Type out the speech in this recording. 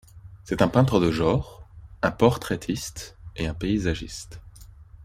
C'est un peintre de genre, un portraitiste et un paysagiste.